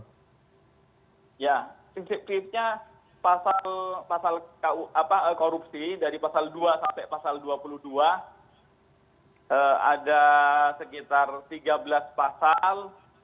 ya prinsipnya pasal korupsi dari pasal dua sampai pasal dua puluh dua ada sekitar tiga belas pasal